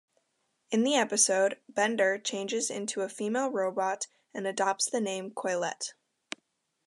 In the episode, Bender changes into a female robot and adopts the name Coilette.